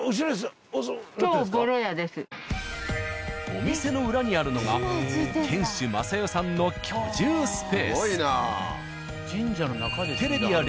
お店の裏にあるのが店主雅代さんの居住スペース。